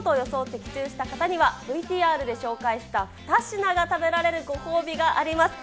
的中した方には、ＶＴＲで紹介した２品が食べられるご褒美があります。